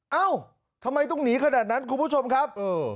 เอ้าทำไมต้องหนีขนาดนั้นคุณผู้ชมครับ